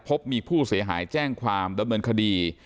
พบมีผู้เสียหายแจ้งความดำเนินคดี